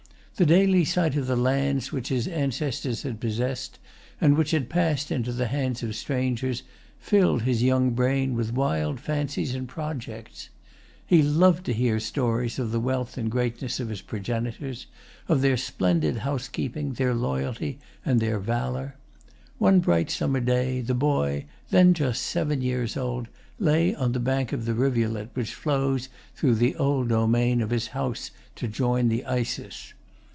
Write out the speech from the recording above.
The daily sight of the lands which his ancestors had possessed, and which had passed into the hands of strangers, filled his young brain with wild fancies and projects. He loved to hear stories of the wealth and greatness of his progenitors, of their splendid housekeeping, their loyalty, and their valor. On one bright summer day, the boy, then just seven[Pg 117] years old, lay on the bank of the rivulet which flows through the old domain of his house to join the Isis.